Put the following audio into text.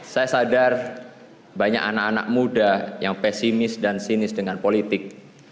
saya sadar banyak anak anak muda yang pesimis dan sinis dengan politik